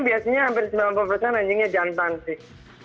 karena ini biasanya hampir sembilan puluh persen anjingnya jantan sih